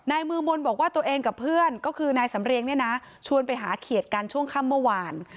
มือมนต์บอกว่าตัวเองกับเพื่อนก็คือนายสำเรียงเนี่ยนะชวนไปหาเขียดกันช่วงค่ำเมื่อวาน